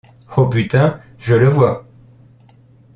Oh putain, je le vois !